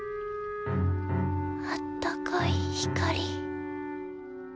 あったかい光。